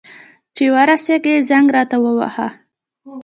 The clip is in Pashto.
چي ورسېدې، زنګ راته ووهه.